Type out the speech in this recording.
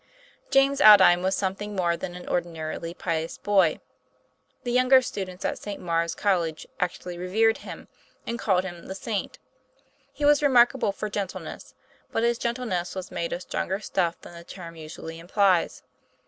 James Aldine was something more than an ordi narily pious boy. The younger students of St. Maure's College actually revered him, and called him the " saint. " He was remarkable for gentleness. But his gentleness was made of stronger stuff than the term usually implies.